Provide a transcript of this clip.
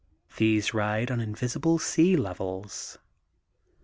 These ride on invisible sea levels.